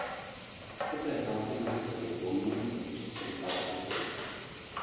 Poté samci mezi sebou bojují o přízeň partnerky.